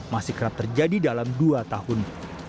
masih kerap terjadi dalam dua tahun